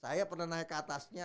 saya pernah naik ke atasnya